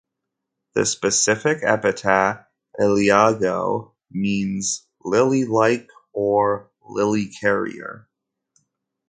The specific epithet "liliago" means lily-like or lily-carrier.